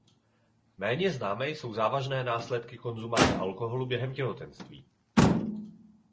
Méně známé jsou závažné následky konzumace alkoholu během těhotenství.